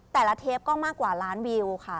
เทปก็มากกว่าล้านวิวค่ะ